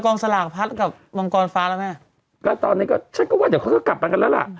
สลากพัดกับมังกรฟ้าแล้วแม่ก็ตอนนี้ก็ฉันก็ว่าเดี๋ยวเขาก็กลับมากันแล้วล่ะ